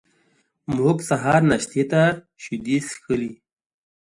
موږ سهار ناشتې ته شیدې څښلې.